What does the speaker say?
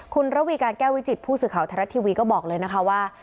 คุณระวีการแก้ววิจิตผู้สื่อข่าวไทยรัฐทีวีก็บอกเลยนะคะว่า